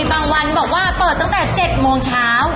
บางวันบอกว่าเปิดตั้งแต่๗โมงเช้า